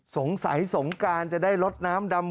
สงสัยสงการจะได้ลดน้ำดำ